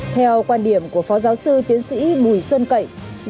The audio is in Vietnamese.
theo quan điểm của phó giáo sư tiến sĩ bùi xuân cậy